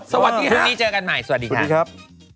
สวัสดีครับนี้เจอกันใหม่สวัสดีครับสวัสดีครับ